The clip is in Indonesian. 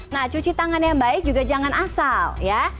nah cuci tangan yang baik juga jangan asal ya